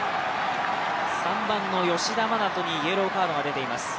３番の吉田真那斗にイエローカードが出ています。